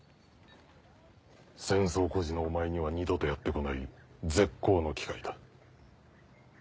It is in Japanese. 戦争孤児のお前には二度とやって来ない絶好の機会だ。